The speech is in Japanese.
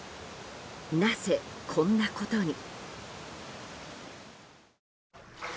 なぜ、こんなことに？